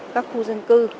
các khu dân cư